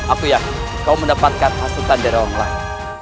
aku ya kau mendapatkan hasutan dari orang lain